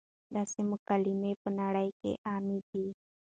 داسې مکالمې پۀ نړۍ کښې عامې دي -